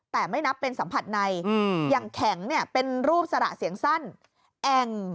แต่ไม่นับเป็นสัมผัสในอย่างแข็งเนี่ยเป็นรูปสระเสียงสั้นแอ่ง